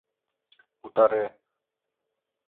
Утаре!